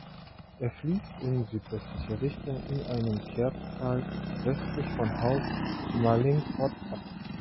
Er fließt in südwestliche Richtung in einem Kerbtal westlich von Haus Mallinckrodt ab.